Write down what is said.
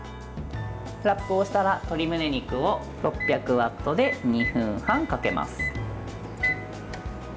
ラップをしたら、鶏むね肉を６００ワットで２分半かけます。